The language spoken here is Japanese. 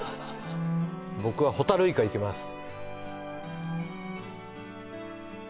僕はホタルイカいきます